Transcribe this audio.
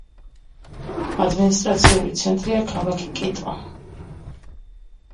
ადმინისტრაციული ცენტრია ქალაქი კიტო.